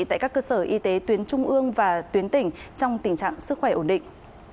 tại các cơ sở y tế tuyến trung ương và tuyến tỉnh trong tình trạng sức khỏe ổn định